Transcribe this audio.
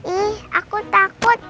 ih aku takut